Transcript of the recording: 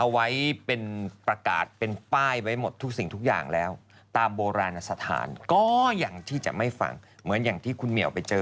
เวลาอ่านข่าวอะไรบางทีหมั่นเหมือนอย่าเพิ่งรีบแช่